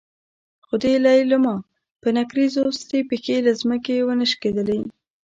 خو د لېلما په نکريزو سرې پښې له ځمکې ونه شکېدلې.